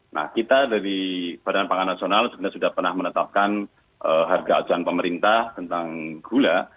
nah kita dari badan pangan nasional sebenarnya sudah pernah menetapkan harga acuan pemerintah tentang gula